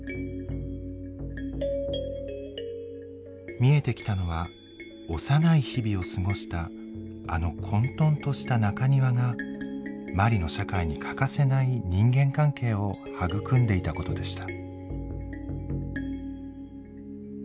見えてきたのは幼い日々を過ごしたあの混とんとした中庭がマリの社会に欠かせない人間関係を育んでいたことでした。